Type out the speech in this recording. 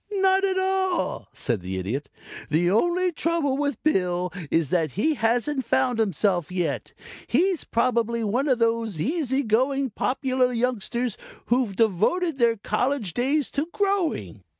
"Not at all," said the Idiot. "The only trouble with Bill is that he hasn't found himself yet. He's probably one of those easy going, popular youngsters who've devoted their college days to growing.